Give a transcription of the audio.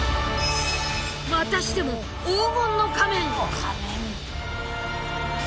またしても黄金の仮面。